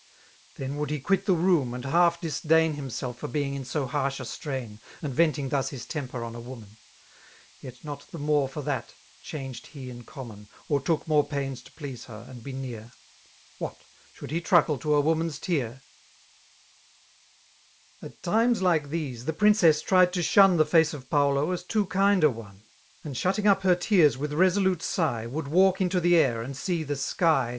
Then would he quit the room, and half disdain Him^lf for being in so harsh a strun. And venting thus his temper on a woman; Yet not the niore for that changed he in comiiion> ^ 65 Oi^ took more paihs t^i please iier> ond^l^ imr : What I shoul^lxejtnu^le to. a woman's tear V At times like these the princess tried to shun The face of Paulo as too kind a one; And shutting up her tears Mrith rescdute si^ Would walk into the air, apd see the sky.